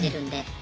あ